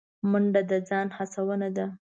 منډه د ځان هڅونه ده